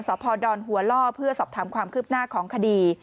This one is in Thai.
สพดอนหัวล่อเพื่อสอบถามความคืบหน้าของคดี